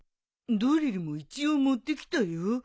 ドリルも一応持ってきたよ。